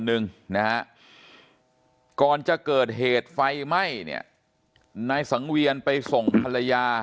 หนึ่งนะฮะก่อนจะเกิดเหตุไฟไหม้เนี่ยนายสังเวียนไปส่งภรรยา